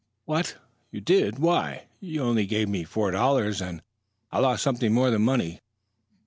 "What? You did? Why, you only gave me four dollars and " "I lost something more than money."